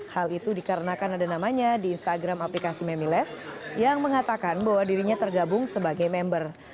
hal itu dikarenakan ada namanya di instagram aplikasi memiles yang mengatakan bahwa dirinya tergabung sebagai member